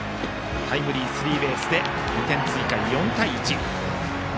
タイムリースリーベースで２点追加、４対１。